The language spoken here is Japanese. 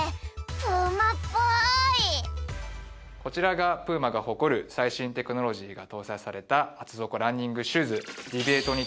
プーマっぽいこちらがプーマが誇る最新テクノロジーが搭載された厚底ランニングシューズ